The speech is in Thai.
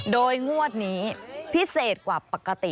โดยงวดนี้พิเศษกว่าปกติ